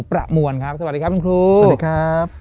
สวัสดีครับ